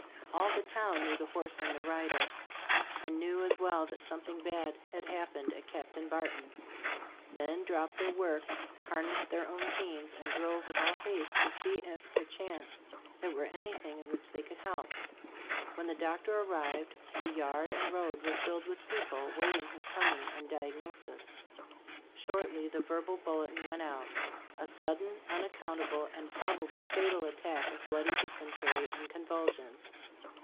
All the town knew the horse and the rider, and knew as well that something bad had happened at Cap tain Barton's. Men dropped their work, harnessed their own teams and drove with all haste to see if, per chance, it were anything in which they could help. When the doctor arrived, the yard and road were filled with people, waiting his coming and diag nosis. 36 Zbe Stor^ of A^ Gbflfcboofc Shortly the verbal bulletin went out : "A sudden, unaccountable and proba bly fatal attack of bloody dysentery and convulsions."